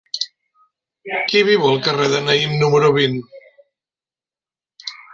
Qui viu al carrer de Naïm número vint?